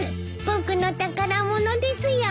僕の宝物ですよ。